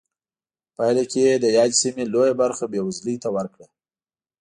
پایله کې یې د یادې سیمې لویه برخه بېوزلۍ ته ورکړه.